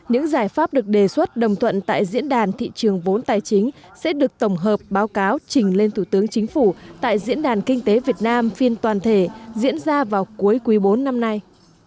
những giải pháp được đề xuất đồng thuận tại diễn đàn thị trường vốn tài chính sẽ được tổng hợp báo cáo trình lên thủ tướng chính phủ tại diễn đàn kinh tế việt nam phiên toàn thể diễn ra vào cuối quý bốn năm nay